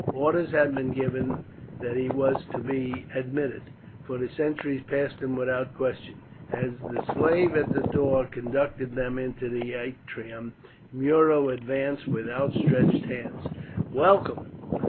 Orders had been given that he was to be admitted, for the sentries passed him without question. As the slave at the door conducted them into the atrium Muro advanced with outstretched hands. "Welcome!